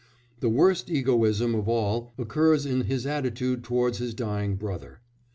The worst egoism of all occurs in his attitude towards his dying brother.